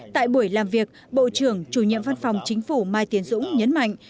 tại buổi làm việc bộ trưởng chủ nhiệm văn phòng chính phủ mai tiến dũng nhấn mạnh